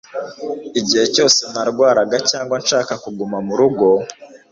igihe cyose narwaraga cyangwa nshaka kuguma murugo